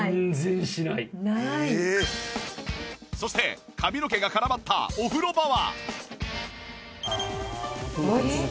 そして髪の毛が絡まったお風呂場は